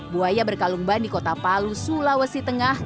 buaya berkalumban di kota palu sulawesi tengah